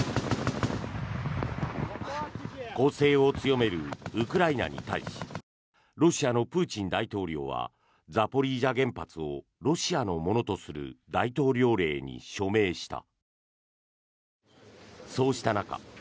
攻勢を強めるウクライナに対しロシアのプーチン大統領はザポリージャ原発をロシアのものとする大統領令に署名した。